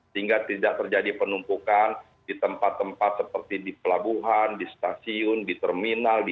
sehingga tidak terjadi penumpukan di tempat tempat seperti di pelabuhan di stasiun di terminal di halte dan tempat tempat lain